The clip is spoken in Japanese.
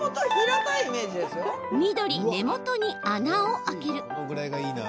緑・根元に穴を開ける。